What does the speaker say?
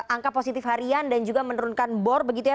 angka positif harian dan juga menurunkan bor begitu ya